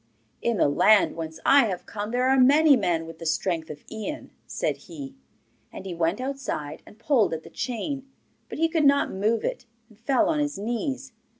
'In the land whence I have come there are many men with the strength of Ian,' said he. And he went outside and pulled at the chain, but he could not move it, and fell on his knees.